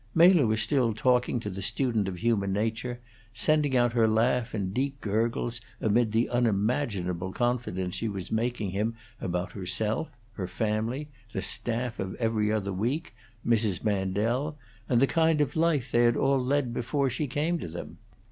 Mela was still talking to the student of human nature, sending out her laugh in deep gurgles amid the unimaginable confidences she was making him about herself, her family, the staff of 'Every Other Week,' Mrs. Mandel, and the kind of life they had all led before she came to them.